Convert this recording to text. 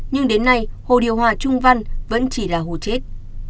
nhưng đến nay hồ điều hòa trung văn vẫn chỉ là hồ chết